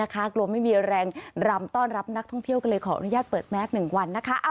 กลัวไม่มีแรงรำต้อนรับนักท่องเที่ยวก็เลยขออนุญาตเปิดแมส๑วันนะคะ